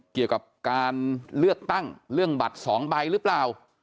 เกี่ยวกับการเลือกตั้งเรื่องบัตร๒ใบหรือเปล่า